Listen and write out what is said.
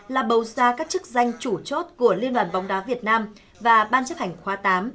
là bầu ra các chức danh chủ chốt của liên đoàn bóng đá việt nam và ban chấp hành khoa tám